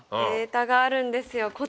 データがあるんですよ。